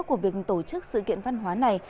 của việc tổ chức sự kiện văn hóa này